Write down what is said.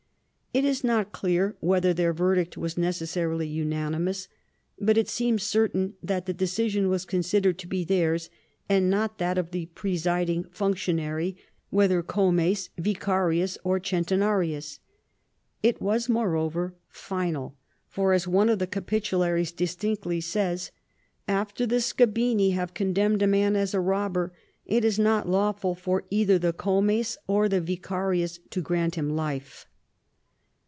It is not clear whether their verdict was necessarily unanimous, but it seems certain that the decision was considered to be theirs, and not that of the presiding functionary, whether comes^ vicarhis, or centenarius. It was, moreover, final ; for, as one of the Capitularies distinctly says, " After the scabini have condemned a man as a robber, it is not lawful for either the comes or the vicarius to grant him life."